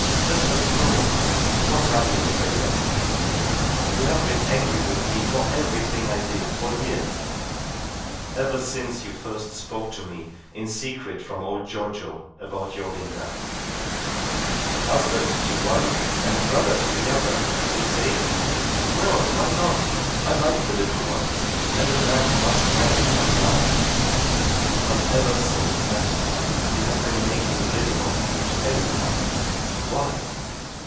Let her grow. What are you afraid of? You have been angry with me for everything I did for years; ever since you first spoke to me, in secret from old Giorgio, about your Linda. Husband to one and brother to the other, did you say? Well, why not! I like the little ones, and a man must marry some time. But ever since that time you have been making little of me to everyone. Why?